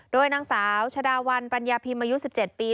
โดยนางสาวชะดาวันปัญญาพิมพ์อายุ๑๗ปี